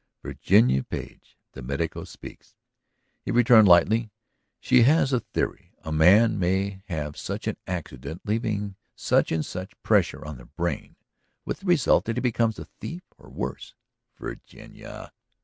"Virginia Page, the medico, speaks," he returned lightly. "She has a theory. A man may have such an accident, leaving such and such pressure on the brain, with the result that he becomes a thief or worse! Virginia